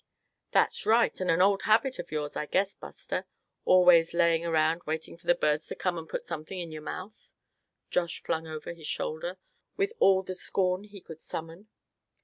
"That's right, and an old habit of yours, I guess, Buster; always laying around waiting for the birds to come and put something in your mouth," Josh flung over his shoulder, with all the scorn he could summon.